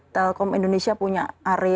telkom indonesia punya area yang sangat penting